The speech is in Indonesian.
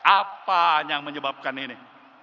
apa yang menyebabkan ini